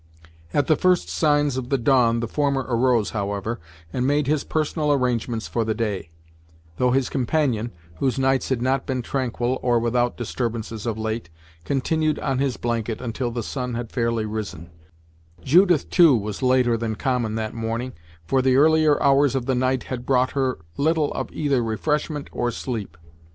At the first signs of the dawn the former arose, however, and made his personal arrangements for the day; though his companion, whose nights had not been tranquil or without disturbances of late, continued on his blanket until the sun had fairly risen; Judith, too, was later than common that morning, for the earlier hours of the night had brought her little of either refreshment or sleep.